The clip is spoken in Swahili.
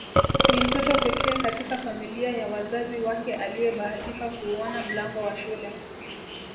Ni mtoto pekee katika familia ya wazazi wake aliyebahatika kuuona mlango wa shule